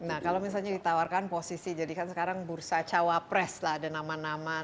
nah kalau misalnya ditawarkan posisi jadi kan sekarang bursa cawapres lah ada nama nama